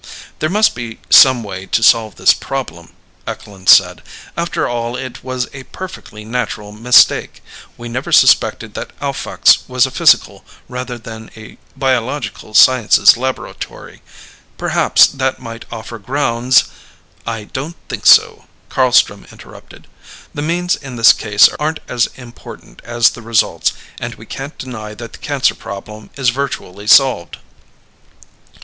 "There must be some way to solve this problem," Eklund said. "After all it was a perfectly natural mistake. We never suspected that Alphax was a physical rather than a biological sciences laboratory. Perhaps that might offer grounds " "I don't think so," Carlstrom interrupted. "The means in this case aren't as important as the results, and we can't deny that the cancer problem is virtually solved."